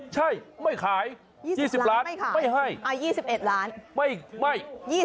ใช่ไม่ขาย๒๐ล้านไม่ให้